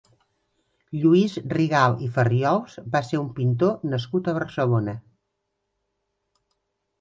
Lluís Rigalt i Farriols va ser un pintor nascut a Barcelona.